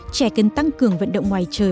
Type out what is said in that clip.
trẻ cần tăng cường vận động ngoài trời